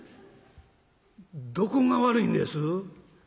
「どこが悪いんです？」。